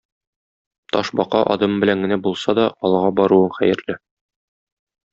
Ташбака адымы белән генә булса да алга баруың хәерле.